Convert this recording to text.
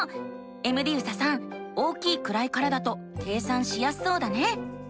エムディユサさん大きい位からだと計算しやすそうだね。